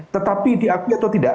tetapi diakui atau tidak